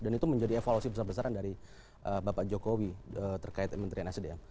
dan itu menjadi evolusi besar besaran dari bapak jokowi terkait kementerian sdm